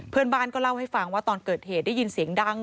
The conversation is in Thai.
เพื่อนบ้านก็เล่าให้ฟังว่าตอนเกิดเหตุได้ยินเสียงดัง